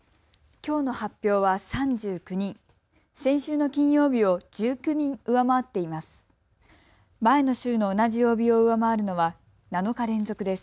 きょうの発表は３９人、先週の金曜日を１９人上回っています。